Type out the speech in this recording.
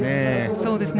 そうですね。